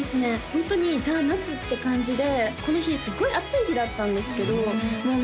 ホントにザ・夏って感じでこの日すごい暑い日だったんですけどもう